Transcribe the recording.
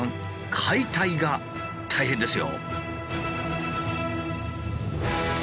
解体が大変ですよ。